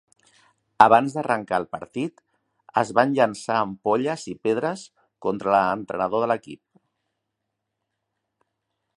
Abans d'arrancar el partit, es van llançar ampolles i pedres contra l'entrenador de l'equip.